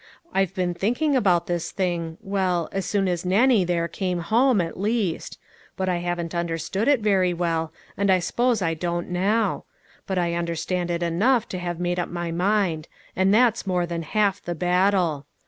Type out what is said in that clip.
I've been thinking about this thing, well, as soon as Nannie there came home, at least ; but I haven't understood it very well, and I s'pose I don't now; but I understand it enough to have made up my mind ; and that's more than half the battle.